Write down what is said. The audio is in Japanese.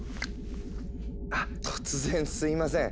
あ突然すいません。